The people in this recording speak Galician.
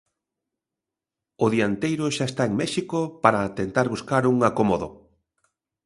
O dianteiro xa está en México para tentar buscar un acomodo.